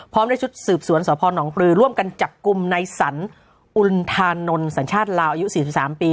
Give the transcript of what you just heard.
ได้ชุดสืบสวนสพนปลือร่วมกันจับกลุ่มในสรรอุณธานนท์สัญชาติลาวอายุ๔๓ปี